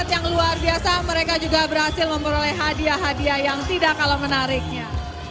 yang luar biasa mereka juga berhasil memperoleh hadiah hadiah yang tidak kalah menariknya